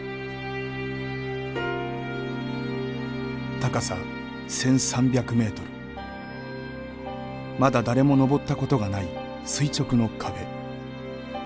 高さ１，３００ｍまだ誰も登ったことがない垂直の壁。